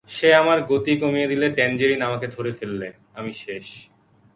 সে আমার গতি কমিয়ে দিলে, ট্যাঞ্জেরিন আমাকে ধরে ফেললে, আমি শেষ।